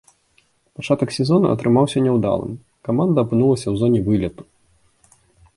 Пачатак сезона атрымаўся няўдалым, каманда апынулася ў зоне вылету.